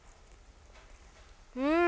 うん！